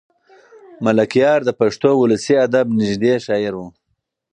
ملکیار د پښتو ولسي ادب ته نږدې شاعر و.